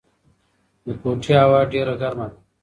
د کوټې هوا ډېره ګرمه ده.